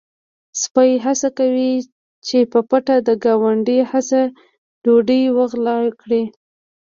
سپی هڅه کوي چې په پټه د ګاونډي څخه ډوډۍ وغلا کړي.